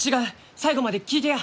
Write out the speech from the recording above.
最後まで聞いてや！